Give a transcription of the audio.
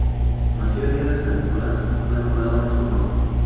Nació el día de San Nicolás y fue nombrado en su honor.